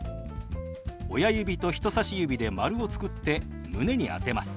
親指と人さし指で丸を作って胸に当てます。